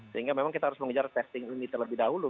sehingga memang kita harus mengejar testing ini terlebih dahulu